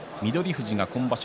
富士は今場所